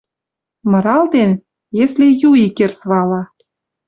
Мыралтен, если «юикерс» вала.